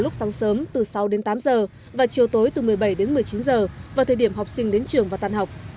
lúc sáng sớm từ sáu đến tám giờ và chiều tối từ một mươi bảy đến một mươi chín giờ vào thời điểm học sinh đến trường và tàn học